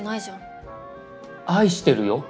愛してるよ！